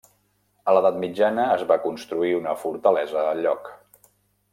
A l'edat mitjana es va construir una fortalesa al lloc.